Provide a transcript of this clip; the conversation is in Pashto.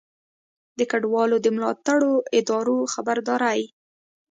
د کډوالو د ملاتړو ادارو خبرداری